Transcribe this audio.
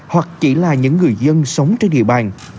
hoặc chỉ là những người dân sống trên địa bàn